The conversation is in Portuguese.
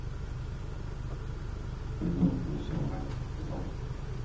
E orgulho incomparável pelo céu mais alto